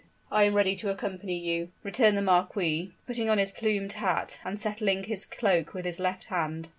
"I am ready to accompany you," returned the marquis, putting on his plumed hat, and settling his cloak with his left hand.